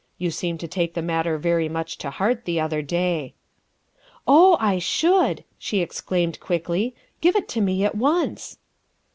You seemed to take the matter very much to heart the other day. ''" Oh, I should," she exclaimed quickly, " give it to me at once !